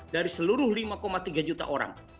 dari seluruh lima tiga juta orang